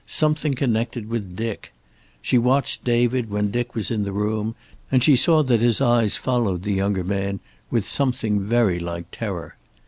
Something connected with Dick. She watched David when Dick was in the room, and she saw that his eyes followed the younger man with something very like terror.